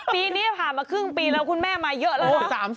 ปีนี้ผ่านมาครึ่งปีแล้วคุณแม่มาเยอะแล้ว